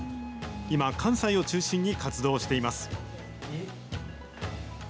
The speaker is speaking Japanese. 今、関西を中心に活動しています。